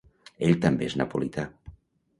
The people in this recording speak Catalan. Ell també és napolità.